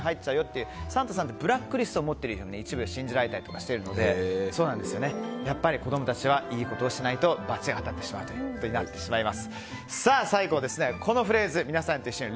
サンタさんの悪い子リストに入っちゃうよっていうサンタさんってブラックリストを持ってると一部で信じられているのでやっぱり子供たちはいいことをしないと罰が当たってしまうということになってしまいます。